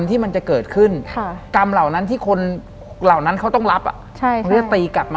หลังจากนั้นเราไม่ได้คุยกันนะคะเดินเข้าบ้านอืม